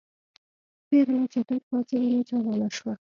پېغله چټک پاڅېدله چالانه شوه.